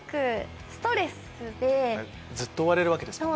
ずっと追われるわけですもんね。